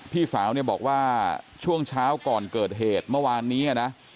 พี่สาวเนี่ยบอกว่าช่วงเช้าก่อนเกิดเหตุเมื่อวานนี้นะ